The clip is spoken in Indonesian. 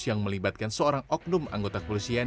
yang melibatkan seorang oknum anggota kepolisian